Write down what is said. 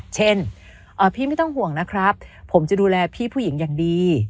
เช่นพี่ไม่ต้องห่วงนะครับผมจะดูแลพี่ผู้หญิงอย่างดี